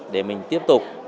để mình tiếp tục